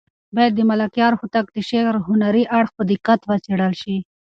باید د ملکیار هوتک د شعر هنري اړخ په دقت وڅېړل شي.